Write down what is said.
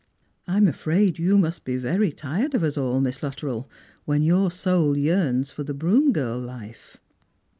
" I'm afraid you must be very tired of us all, Miss Luttrell, when your soul yearns for the broom girl life."